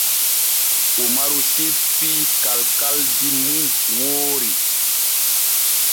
Umaru sippii kalkaldi mum woori.